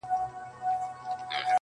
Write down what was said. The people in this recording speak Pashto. • چي په تا یې رنګول زاړه بوټونه -